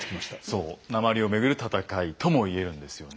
そう鉛をめぐる戦いとも言えるんですよね。